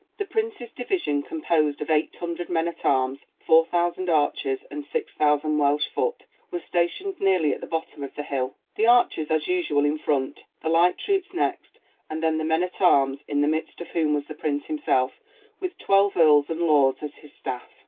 The prince's division, composed of 800 men at arms, 4,000 archers, and 6,000 Welsh foot, was stationed nearly at the bottom of the hill; the archers, as usual, in front, the light troops next, and then the men at arms, in the midst of whom was the prince himself, with twelve earls and lords, as his staff.